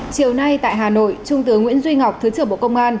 chiều nay tại hà nội trung tướng nguyễn duy ngọc thứ trưởng bộ công an